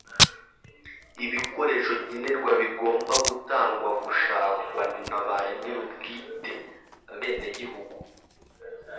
ibikoresho nkenerwa bigomba gutangwagushakwa na banyir'ubwite (abenegihugu